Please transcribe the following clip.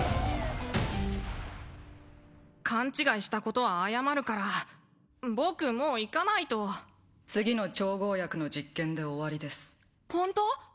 勘違いしたことは謝るから僕もう行かないと次の調合薬の実験で終わりですホント！？